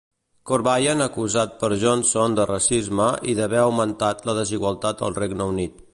Corbyn acusat per Johnson de racisme i d'haver augmentat la desigualtat al Regne Unit.